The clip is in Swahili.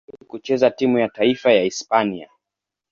Aliwahi kucheza timu ya taifa ya Hispania.